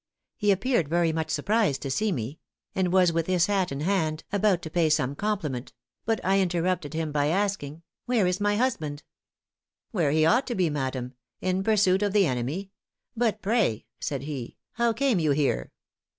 He appeared very much surprised to see me; and was with his hat in hand about to pay some compliment: but I interrupted him by asking 'Where is my husband?' "'Where he ought to be, madam; in pursuit of the enemy. But pray,' said he, 'how came you here?